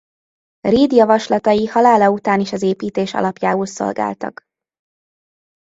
Ried javaslatai halála után is az építés alapjául szolgáltak.